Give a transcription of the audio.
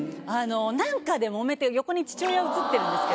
何かでもめて横に父親写ってるんですけど。